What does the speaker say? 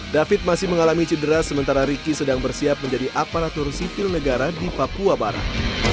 david masih mengalami cedera sementara riki sedang bersiap menjadi aparatur sipil negara di papua barat